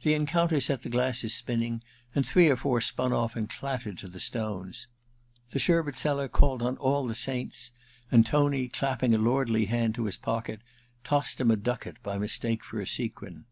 The encounter set the glasses spinning, and three or four spun off and clattered to the stones. The sherbet seller called on all the 320 A VENETIAN NIGHTS i saints^ and Tony, clapping a lordly hand to his pocket, tossed him a ducat by mistake for a sequin.